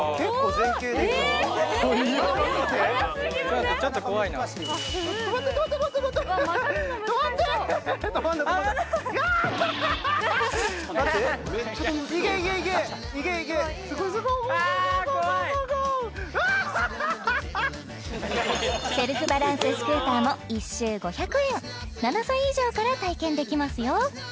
はっはっはセルフバランススクーターも１周５００円７歳以上から体験できますよ